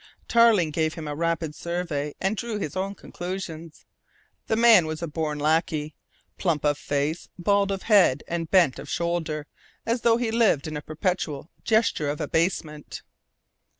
Tarling gave him a rapid survey and drew his own conclusions. The man was a born lackey, plump of face, bald of head, and bent of shoulder, as though he lived in a perpetual gesture of abasement.